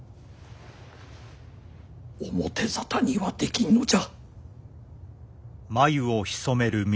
表沙汰にはできぬのじゃ。